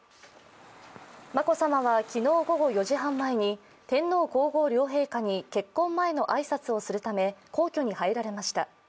眞子さまは昨日午後４時半前に天皇・皇后両陛下に結婚前の挨拶をするため皇居に入られました。